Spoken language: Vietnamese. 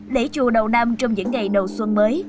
lễ chùa đầu năm trong những ngày đầu xuân mới